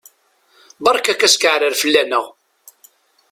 Berka-k askeɛrer fell-aneɣ!